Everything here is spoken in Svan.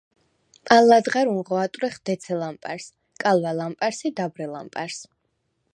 ალ ლადღა̈რუნღო ატვრეხ დეცე ლამპა̈რს, კალვა̈ ლამპა̈რს ი დაბრე ლამპა̈რს.